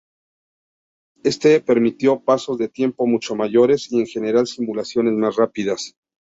Esto permitió pasos de tiempo mucho mayores y en general simulaciones más rápidas.